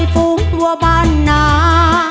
ฝูงกลัวบ้านหนา